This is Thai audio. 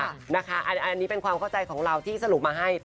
อันนี้เป็นความเข้าใจของเราที่สรุปมาให้